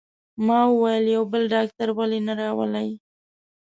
ما وویل: یو بل ډاکټر ولې نه راولئ؟